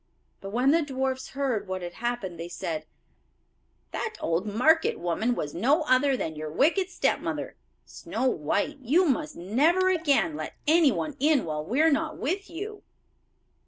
But when the dwarfs heard what had happened, they said: "That old market woman was no other than your wicked stepmother. Snow white, you must never again let anyone in while we are not with you."